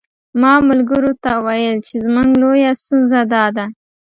ما ملګرو ته ویل چې زموږ لویه ستونزه داده.